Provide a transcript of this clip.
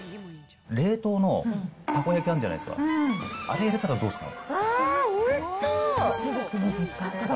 冷凍のたこ焼きあるじゃないですか、あれ入れたらどうですか？